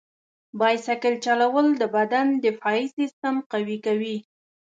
بایسکل چلول د بدن دفاعي سیستم قوي کوي.